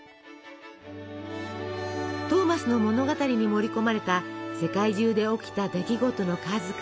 トーマスの物語に盛り込まれた世界中で起きた出来事の数々。